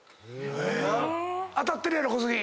当たってるやろ⁉小杉！